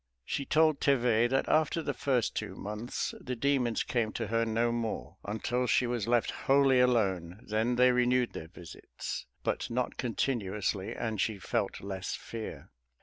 She told Thevet that after the first two months, the demons came to her no more, until she was left wholly alone; then they renewed their visits, but not continuously, and she felt less fear.